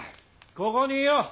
ここにいよう！